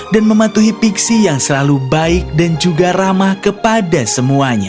dan mematuhi pixie yang selalu baik dan juga ramah kepada semuanya